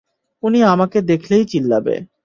উনি আমাকে দেখলেই চিল্লাবে।